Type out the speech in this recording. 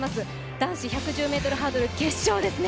男子１１０ｍハードル決勝ですね。